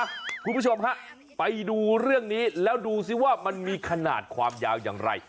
คุณผู้ชมฮะไปดูเรื่องนี้แล้วดูสิว่ามันมีขนาดความยาวอย่างไร